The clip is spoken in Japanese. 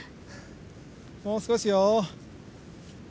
もう少しよ。